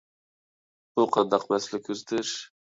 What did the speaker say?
بۇ قانداق مەسىلە كۆزىتىش؟